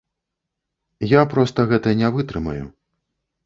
Я проста гэта не вытрымаю.